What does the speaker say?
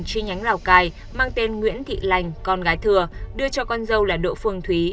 chi nhánh lào cai mang tên nguyễn thị lành con gái thừa đưa cho con dâu là độ phương thúy